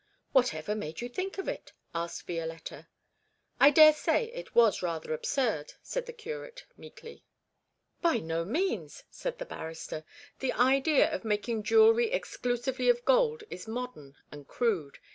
'Whatever made you think of it?' asked Violetta. 'I daresay it was rather absurd,' said the curate meekly. 'By no means,' said the barrister; 'the idea of making jewellery exclusively of gold is modern and crude.